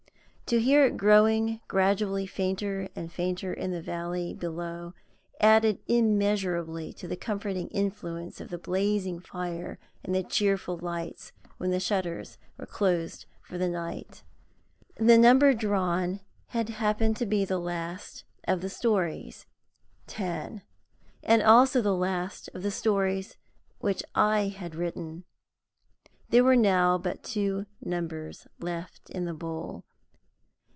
To hear it growing gradually fainter and fainter in the valley below added immeasurably to the comforting influence of the blazing fire and the cheerful lights when the shutters were closed for the night. The number drawn happened to be the last of the series Ten and the last also of the stories which I had written. There were now but two numbers left in the bowl.